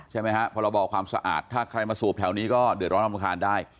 ใช่ไหมครับเพราะเราบอกความสะอาดถ้าใครมาสูบแถวนี้ก็เดือดร้อนร่ำลูกค้าได้